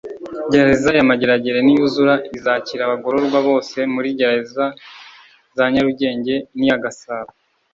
Gereza ya Mageragere niyuzura izakira abagororwa bose muri gereza za Nyarugenge n’iya Gasabo